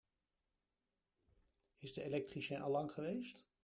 Is de elektricien al lang geweest?